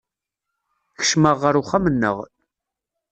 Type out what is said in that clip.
Kecmeɣ ɣer uxxam-nneɣ.